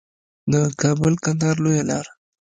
د کابل کندهار لویه لار